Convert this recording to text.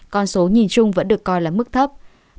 con số nhìn chung vẫn được coi là mức thấp